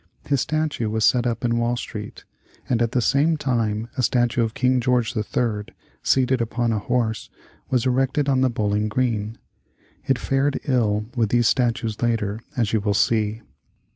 His statue was set up in Wall Street, and at the same time a statue of King George III., seated upon a horse, was erected on the Bowling Green. It fared ill with these statues later, as you will see.